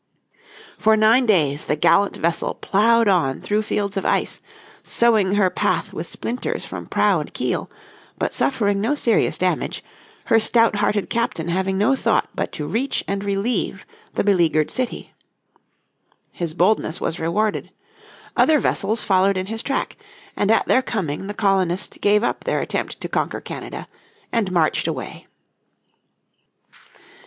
For nine days the gallant vessel ploughed on through fields of ice, but suffering no serious damage, her stout hearted captain having no thought but to reach and relieve the beleaguered city. His boldness was rewarded. Other vessels followed in his track, and at their coming the colonists gave up their attempt to conquer Canada, and marched away.